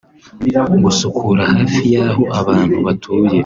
Gusukura hafi y’aho abantu batuye